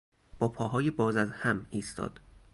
با پاهای باز از هم ایستاد.